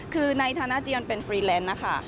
คือในฐานะจียอนเป็นฟรีแลนซ์นะคะ